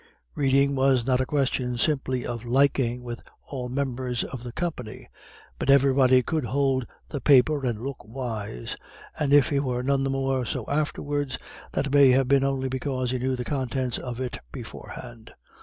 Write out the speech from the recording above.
Reading was not a question simply of liking with all members of the company; but everybody could hold the paper and look wise, and if he were none the more so afterwards, that may have been only because he knew the contents of it beforehand.